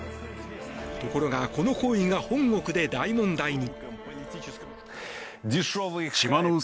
ところが、この行為が本国で大問題に。